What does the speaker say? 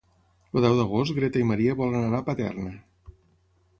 El deu d'agost na Greta i en Maria volen anar a Paterna.